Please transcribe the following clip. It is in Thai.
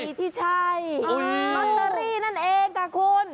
ที่ใช่ลอตเตอรี่นั่นเองค่ะคุณ